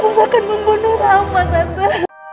enos akan membunuh rama tante